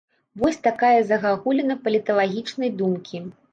Вось такая загагуліна паліталагічнай думкі.